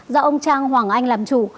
do ông trang hoàng anh làm chủ